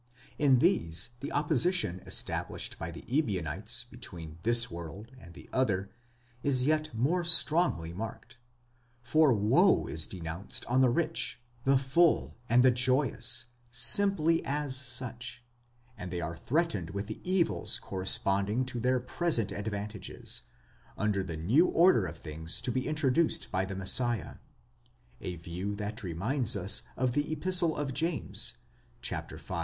In these the opposition established by the Ebionites between this world and the other, is yet more strongly marked ; for woe is denounced on the rich, the full, and the joyous, simply as such, and they are threatened with the evils corresponding to their present advantages, under the new order of things to be introduced by the Messiah ; a view that reminds us of the Epistle of James, v.